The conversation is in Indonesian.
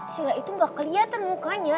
silla itu gak keliatan mukanya